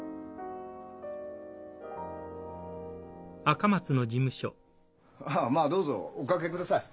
ああまあどうぞお掛けください。